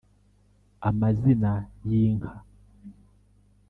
amazina y’inka